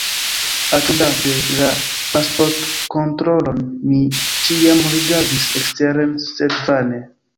Atendante la pasportokontrolon, mi ĉiam rigardis eksteren, sed vane.